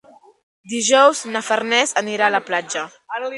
Dijous na Farners anirà a la platja.